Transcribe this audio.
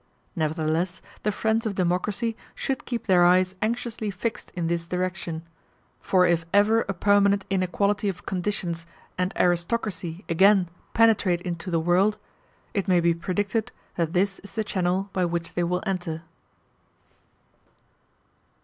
Nevertheless the friends of democracy should keep their eyes anxiously fixed in this direction; for if ever a permanent inequality of conditions and aristocracy again penetrate into the world, it may be predicted that this is the channel by which they will enter.